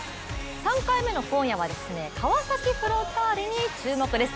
３回目の今夜は川崎フロンターレに注目です。